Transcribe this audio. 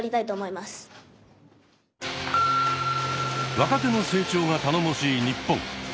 若手の成長が頼もしい日本。